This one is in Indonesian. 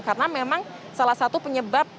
karena memang salah satu penyebab